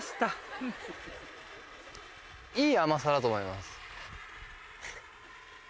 いい甘さだと思います。